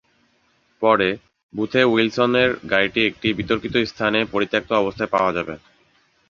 পরে, বুথে-উইলসনের গাড়িটি একটি বিতর্কিত স্থানে পরিত্যক্ত অবস্থায় পাওয়া যাবে।